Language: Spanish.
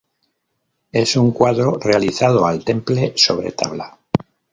Es un cuadro realizado al temple sobre tabla.